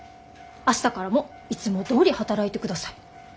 明日からもいつもどおり働いてください」。